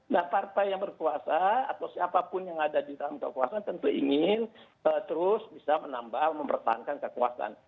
nah partai yang berkuasa atau siapapun yang ada di dalam kekuasaan tentu ingin terus bisa menambah mempertahankan kekuasaan